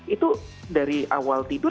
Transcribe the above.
itu dari awal tidur